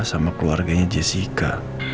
sama keluarganya jessica